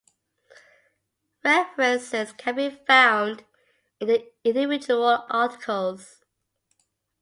References can be found in the individual articles.